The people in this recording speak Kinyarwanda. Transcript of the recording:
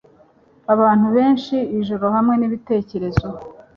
Abantu benshi ijoro hamwe nibitekerezo